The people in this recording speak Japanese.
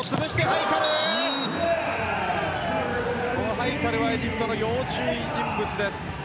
ハイカルはエジプトの要注意人物です。